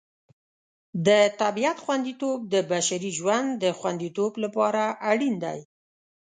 د طبیعت خوندیتوب د بشري ژوند د خوندیتوب لپاره اړین دی.